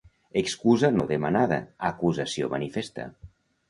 Excusa no demanada, acusació manifesta.